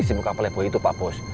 si muka pelebo itu pak bos